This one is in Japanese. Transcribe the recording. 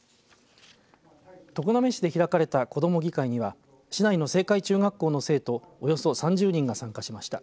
常滑市で開かれた子ども議会には市内の青海中学校の生徒およそ３０人が参加しました。